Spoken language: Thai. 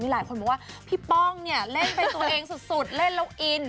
หลายคนบอกว่าพี่ป้องเนี่ยเล่นเป็นตัวเองสุดเล่นแล้วอิน